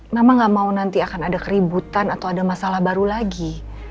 memang gak mau nanti akan ada keributan atau ada masalah baru lagi